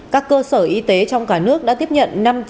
các cơ sở y tế trong cả nước đã tiếp nhận năm trăm linh tiền